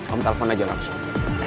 om telfon aja langsung